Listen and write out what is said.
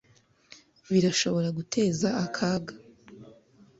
Birashobora guteza akaga